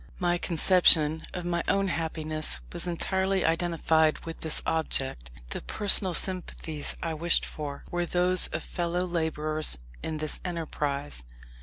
My conception of my own happiness was entirely identified with this object. The personal sympathies I wished for were those of fellow labourers in this enterprise.